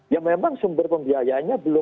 ya memang sumber pembiayanya